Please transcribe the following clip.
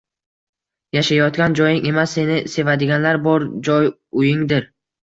Yashayotgan joying emas, seni sevadiganlar bor joy – uyingdir.